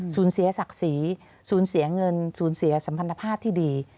สูญเสียศักดิ์ศรีสูญเสียเงินสูญเสียสัมพันธภาพที่ดี